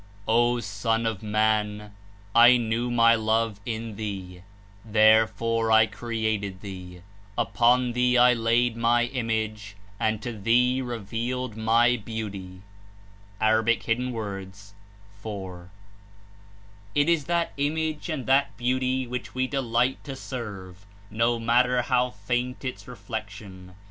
^^O Son of Man! I knew my Love in thee; there fore I created thee: upon thee I laid my image, and to thee revealed my Beauty. '^ (A. 4.) It Is that Image and that beauty which we delight to serve, no matter how faint Its reflection.